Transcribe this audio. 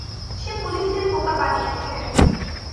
সে পুলিশদের বোকা বানিয়েছে।